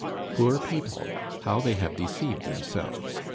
"Poor people! How they have deceived themselves!